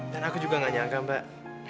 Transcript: dan aku juga gak nyangka mbak